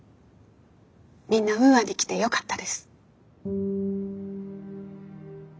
みんなウーアに来てよかったです。